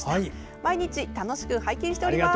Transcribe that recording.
毎日、楽しく拝見しております。